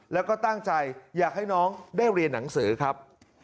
แล้วก็ตั้งใจอยากให้น้องได้เรียนหนังสือครับ